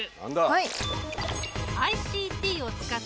はい。